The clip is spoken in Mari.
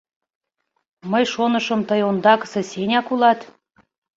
Мый шонышым, тый ондакысе Сеняк улат...